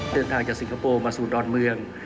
เดินทางจากสิงคโปร์มาสู่ดอนเมือง